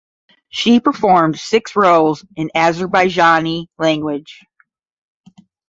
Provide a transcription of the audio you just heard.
She performed six roles in Azerbaijani language.